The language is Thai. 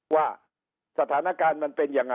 ว่าสถานการณ์มันเป็นยังไง